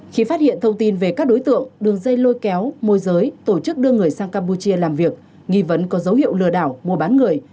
khi phát hiện thông tin về các đối tượng đường dây lôi kéo môi giới tổ chức đưa người sang campuchia làm việc nghi vấn có dấu hiệu lừa đảo mua bán người